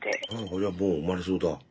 あじゃあもう生まれそうだ。